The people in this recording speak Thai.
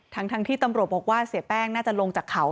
ทั้งที่ตำรวจบอกว่าเสียแป้งน่าจะลงจากเขา